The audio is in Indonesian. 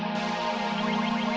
saya sudah berhenti